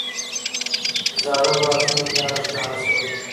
زاړه ګواښونه بیا راښکاره شول.